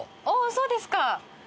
おぉそうですか。